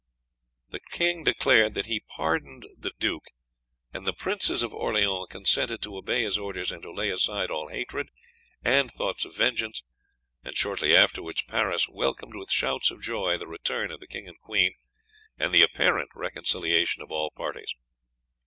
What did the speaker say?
"The king declared that he pardoned the duke, and the princes of Orleans consented to obey his orders and to lay aside all hatred and thoughts of vengeance, and shortly afterwards Paris welcomed with shouts of joy the return of the king and queen and the apparent reconciliation of all parties.